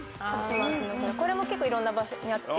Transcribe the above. これも結構いろんな場所にあって。